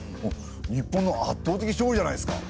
日本のあっとう的勝利じゃないですか。